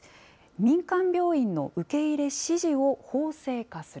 民間病院の受け入れ指示を法制化する。